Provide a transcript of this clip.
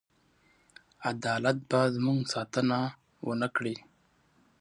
عدالت به زموږ ساتنه ونه کړي.